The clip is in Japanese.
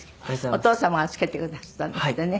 お父様が付けてくだすったんですってね。